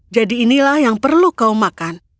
jadi inilah yang perlu kau makan